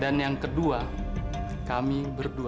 dan yang kedua kami berdua